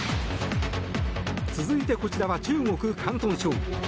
続いてこちらは、中国・広東省。